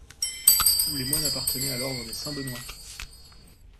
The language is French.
Les moines appartenaient à l'ordre de Saint-Benoît.